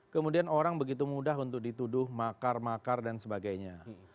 kemudian orang begitu mudah untuk dituduh makar makar dan sebagainya